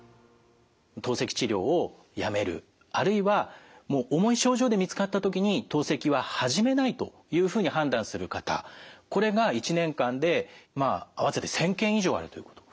透析治療をやめるあるいは重い症状で見つかった時に透析は始めないというふうに判断する方これが１年間で合わせて１，０００件以上あるということ。